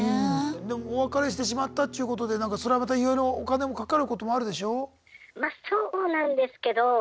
でもお別れしてしまったっちゅうことでそれはまたいろいろお金もかかることもあるでしょう？